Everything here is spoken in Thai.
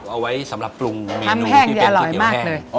เอาไว้สำหรับปรุงเมนูที่เป็นก๋วแห้ง